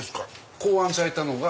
考案されたのが？